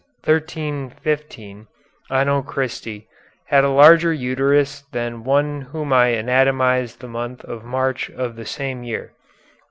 1315 Anno Christi, had a larger uterus than one whom I anatomized in the month of March of the same year.'